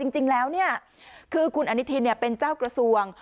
จริงแล้วคือคุณอนุทินเป็นเจ้ากระทรวง